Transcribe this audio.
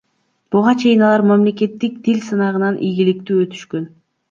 Буга чейин алар мамлекеттик тил сынагынан ийгиликтүү өтүшкөн.